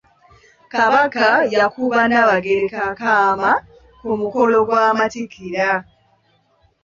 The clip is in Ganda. Kabaka yakuba Nabagereka akaama ku mukolo gw'amattikira.